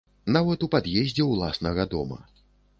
Нават у пад'ездзе ўласнага дома.